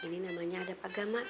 ini namanya adab agama